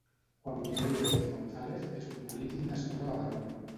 Juan Miguel López González és un polític nascut a Badalona.